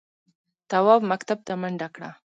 تواب مکتب ته منډه کړه.